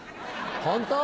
本当？